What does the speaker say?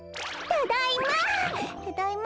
ただいま！